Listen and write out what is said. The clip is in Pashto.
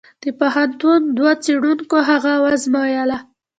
د پوهنتون دوو څېړونکو هغه وزمویله.